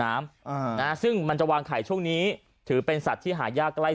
น้ำอ่านะซึ่งมันจะวางไข่ช่วงนี้ถือเป็นสัตว์ที่หายากใกล้